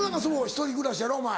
１人暮らしやろお前。